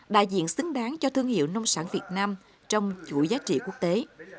đại diện xứng đáng cho thương hiệu nông sản việt nam trong chuỗi giá trị quốc tế